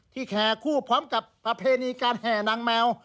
ที่แขคู่พร้อมกับอุคิกาอธิหาแหน่งแหมว